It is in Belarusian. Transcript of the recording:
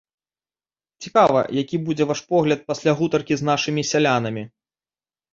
Цікава, які будзе ваш погляд пасля гутаркі з нашымі сялянамі?